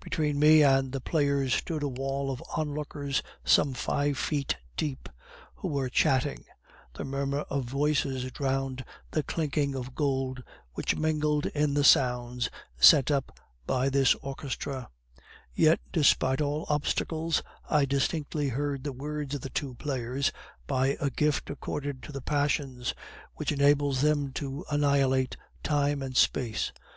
Between me and the players stood a wall of onlookers some five feet deep, who were chatting; the murmur of voices drowned the clinking of gold, which mingled in the sounds sent up by this orchestra; yet, despite all obstacles, I distinctly heard the words of the two players by a gift accorded to the passions, which enables them to annihilate time and space.